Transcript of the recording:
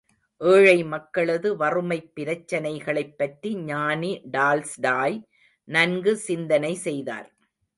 ஏழை மக்களது வறுமைப் பிரச்னைகளைப் பற்றி ஞானி டால்ஸ்டாய் நன்கு சிந்தனை செய்தார்.